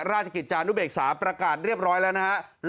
ราชกิจจานุเบกษาประกาศเรียบร้อยแล้วนะฮะ